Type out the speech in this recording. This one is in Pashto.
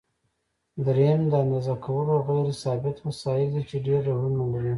دریم د اندازه کولو غیر ثابت وسایل دي چې ډېر ډولونه لري.